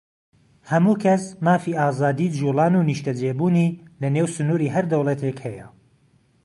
هەموو کەس مافی ئازادیی جووڵان و نیشتەجێبوونی لەنێو سنووری هەر دەوڵەتێک هەیە.